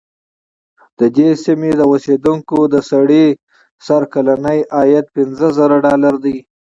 د دې سیمې د اوسېدونکو د سړي سر کلنی عاید پنځه زره ډالره دی.